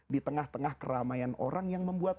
di tengah tengah keramaian orang yang membuat